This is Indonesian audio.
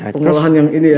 pengelolaan yang ini ya